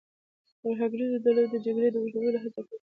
ترهګریزو ډلو د جګړې د اوږدولو هڅه کوي.